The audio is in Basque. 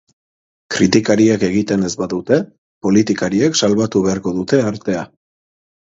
Kritikariek egiten ez badute, politikariek salbatu beharko dute artea.